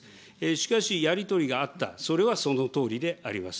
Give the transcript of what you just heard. しかしやり取りがあった、それはそのとおりであります。